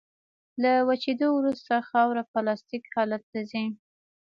له وچېدو وروسته خاوره پلاستیک حالت ته ځي